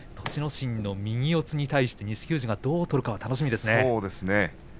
心の右四つに対して錦富士がどう取るか楽しみですね。